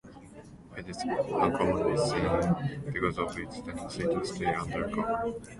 It is uncommonly seen because of its tendency to stay under cover.